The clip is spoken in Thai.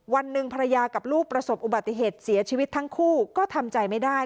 วันหนึ่งภรรยากับลูกประสบอุบัติเหตุเสียชีวิตทั้งคู่ก็ทำใจไม่ได้